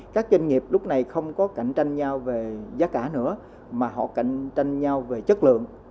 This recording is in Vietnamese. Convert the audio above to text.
các doanh nghiệp lúc này không có cạnh tranh nhau về giá cả nữa mà họ cạnh tranh nhau về chất lượng